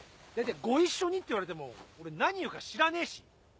大体ご一緒にって言われても俺何言うか知らねえし。